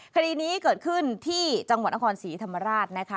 คดีนี้เกิดขึ้นที่จังหวัดนครศรีธรรมราชนะคะ